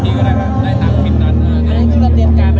เพราะเราก้อยดูดกันค่อนข้างจะบ่อยมาก